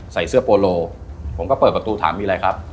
ใส่เสื้อโปโลผมก็เปิดประตูถามมีอะไรครับ